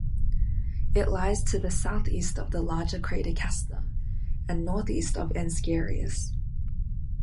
It lies to the southeast of the larger crater Kastner and northeast of Ansgarius.